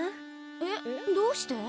えっどうして？